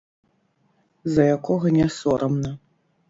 За якога не сорамна.